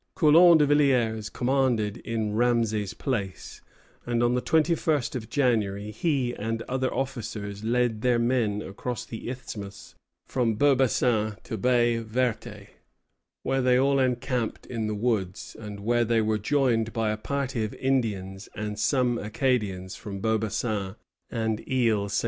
Coulon de Villiers commanded in Ramesay's place; and on the 21st of January he and the other officers led their men across the isthmus from Beaubassin to Baye Verte, where they all encamped in the woods, and where they were joined by a party of Indians and some Acadians from Beaubassin and Isle St. Jean.